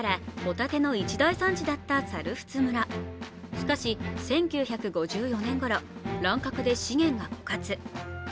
しかし１９５４年ごろ、乱獲で資源が枯渇。